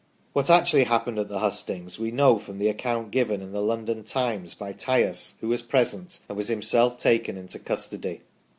What actually happened at the hustings v/e know from the ac count given in the London " Times " by Tyas, who was present, and was himself taken into custody.